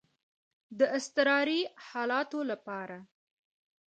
د اضطراري حالاتو لپاره.